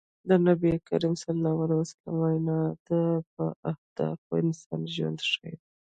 د نبي کريم ص وينا د باهدفه انسان ژوند ښيي.